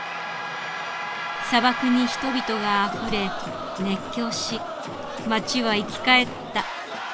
砂漠に人々があふれ熱狂し町は生き返った。